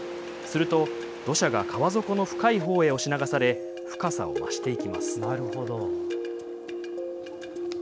すると、土砂が川底の深いほうへ押し流され深さを増していきます。